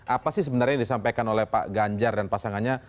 apa sih sebenarnya yang disampaikan oleh pak ganjar dan pasangannya